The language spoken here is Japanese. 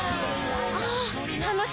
あぁ！